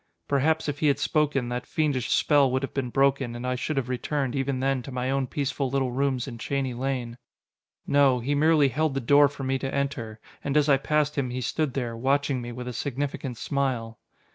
Perhaps, if he had spoken, that fiendish spell would have been broken, and I should have returned, even then, to my own peaceful little rooms in Cheney Lane. No he merely held the door for me to enter, and as I passed him he stood there, watching me with a significant smile.